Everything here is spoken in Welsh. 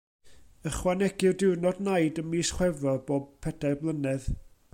Ychwanegir diwrnod naid ym mis Chwefror bob pedair blynedd.